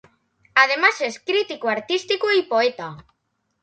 Además es crítico artístico y poeta.